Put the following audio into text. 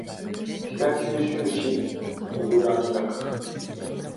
北九州市小倉北区